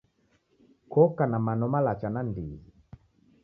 Kokana mano malacha nandighi.